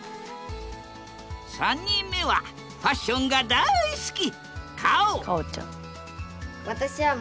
３人目はファッションが大好き！